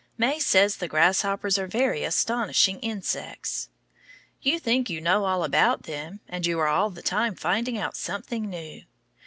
May says the grasshoppers are very astonishing insects. You think you know all about them, and you are all the time finding out something new.